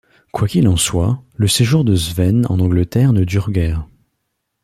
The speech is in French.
Quoi qu'il en soit, le séjour de Sven en Angleterre ne dure guère.